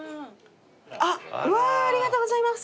あっうわありがとうございます。